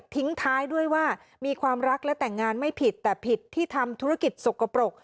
ทิ้งท้ายด้วยว่ามีความรักและแต่งงานไม่ผิดแต่ผิดที่ทำธุรกิจสกปรก